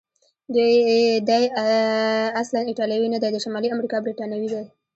دی اصلا ایټالوی نه دی، د شمالي امریکا برتانوی دی.